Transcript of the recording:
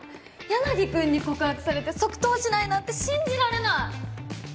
柳くんに告白されて即答しないなんて信じられない！